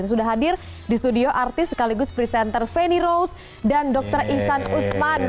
dan sudah hadir di studio artis sekaligus presenter feni rose dan dr ihsan usman